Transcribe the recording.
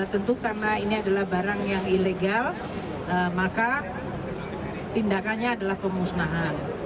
tentu karena ini adalah barang yang ilegal maka tindakannya adalah pemusnahan